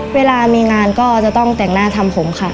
เวลามีงานก็จะต้องแต่งหน้าทำผมค่ะ